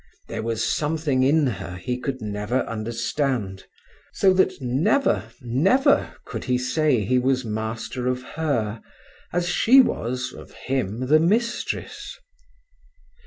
There was something in her he could never understand, so that never, never could he say he was master of her as she was of him the mistress.